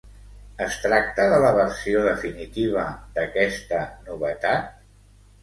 Es tracta de la versió definitiva d'aquesta novetat?